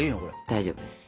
大丈夫です。